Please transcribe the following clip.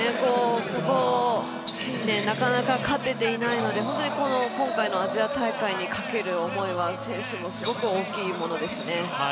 近年、なかなか勝てていないので今回のアジア大会にかける思いは選手もすごく大きいものですね。